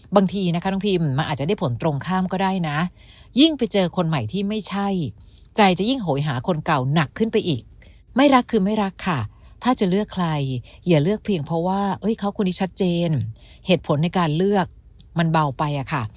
บางทีนะคะน้องพิมมันอาจจะได้ผลตรงข้ามก็ได้นะยิ่งไปเจอคนใหม่ที่ไม่ใช่ใจจะยิ่งโหยหาคนเก่าหนักขึ้นไปอีกไม่รักคือไม่รักค่ะถ้าจะเลือกใครอย่าเลือกเพียงเพราะว่าเขาคนนี้ชัดเจนเหตุผลในการเลือกมันเบาไปอะค่ะ